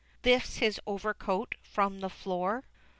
[_Lifts his overcoat from the floor.